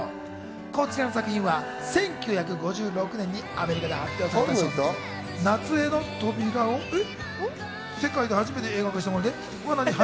こちらの作品は１９５６年にアメリカで発表された小説、『夏への扉』を世界で初めて映画化したもので。